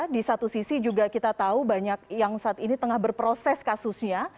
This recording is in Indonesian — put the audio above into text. di satu sisi juga kita tahu banyak yang saat ini tengah berproses kasusnya